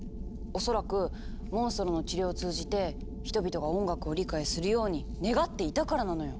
恐らくモンストロの治療を通じて人々が音楽を理解するように願っていたからなのよ！